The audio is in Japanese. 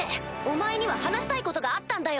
お前には話したいことがあったんだよ！